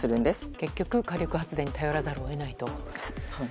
結局、火力発電に頼らざるを得ないと。